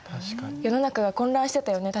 世の中が混乱してたよね